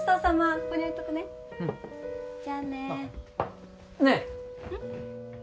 ここに置いとくねうんじゃあねねえうん？